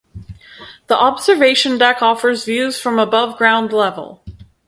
The observation deck offers views from above ground level.